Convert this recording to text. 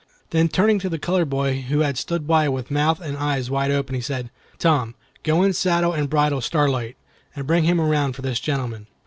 Then turning to the colored boy who had stood by with mouth and eyes wide open, he said, "Tom, go and saddle and bridle Starlight, and bring him around for this gentleman."